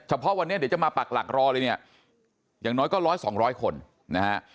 เพราะวันนี้เดี๋ยวจะมาปักหลักรอเลยเนี่ยอย่างน้อยก็ร้อยสองร้อยคนนะฮะ